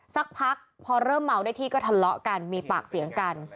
สักพักพอเริ่มเมาได้ที่ก็ทะเลาะกันมีปากเสียงกัน